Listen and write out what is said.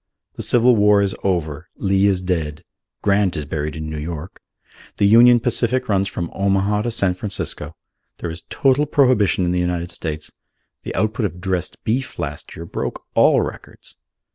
The Civil War is over. Lee is dead. Grant is buried in New York. The Union Pacific runs from Omaha to San Francisco. There is total prohibition in the United States. The output of dressed beef last year broke all records.